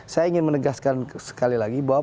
saya ingin menegaskan sekali lagi bahwa